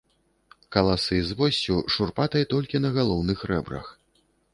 Каласы з воссю, шурпатай толькі на галоўных рэбрах.